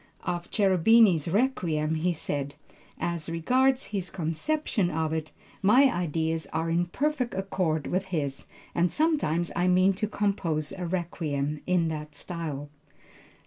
Of Cherubini's Requiem he said, "as regards his conception of it, my ideas are in perfect accord with his and sometime I mean to compose a Requiem in that style."